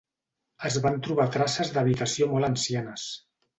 Es van trobar traces d'habitació molt ancianes.